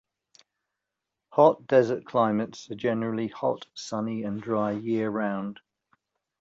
Hot desert climates are generally hot, sunny and dry year-round.